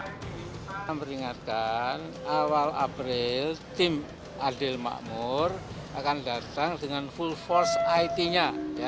kita mengingatkan awal april tim adil makmur akan datang dengan full force it nya